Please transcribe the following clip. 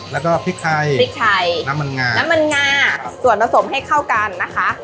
แล้วก็พริกไทยพริกไทยน้ำมันงาน้ำมันงาส่วนผสมให้เข้ากันนะคะ